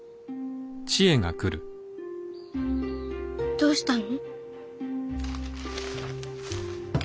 どうしたの？